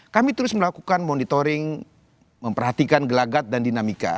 kami terus melakukan monitoring memperhatikan gelagat dan dinamika